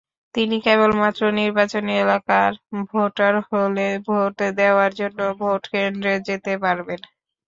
তিনি কেবলমাত্র নির্বাচনী এলাকার ভোটার হলে ভোট দেওয়ার জন্য ভোটকেন্দ্রে যেতে পারবেন।